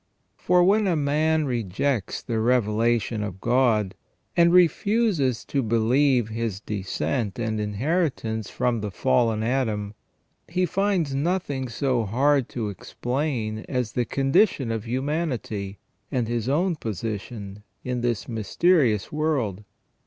For when a man rejects the revelation of God, and refuses to believe his descent and inheritance from the fallen Adam, he finds nothing so hard to explain as the condition of humanity, and his own position, in this mysterious world.